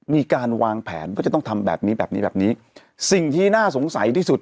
มีการวางแผนว่าจะต้องทำแบบนี้แบบนี้แบบนี้แบบนี้สิ่งที่น่าสงสัยที่สุด